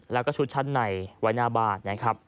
แล้วก็ชุดชั้นในไว้หน้าบ้านนะครับ